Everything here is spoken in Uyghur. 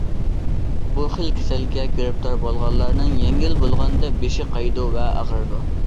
بۇ خىل كېسەلگە گىرىپتار بولغانلارنىڭ يەڭگىل بولغاندا بېشى قايىدۇ ۋە ئاغرىيدۇ.